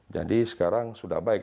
jadi sekarang sudah baik